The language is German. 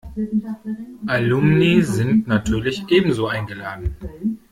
Alumni sind natürlich ebenso eingeladen.